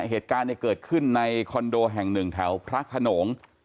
เหตุการณ์เกิดขึ้นในคอนโดแห่งหนึ่งแถวพระขนง